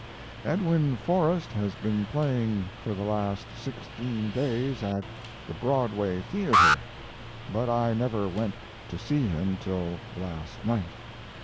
Edwin Forrest has been playing for the last sixteen days at the Broadway Theater, but I never went to see him till last night.